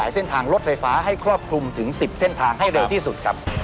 เส้นทางรถไฟฟ้าให้ครอบคลุมถึง๑๐เส้นทางให้เร็วที่สุดครับ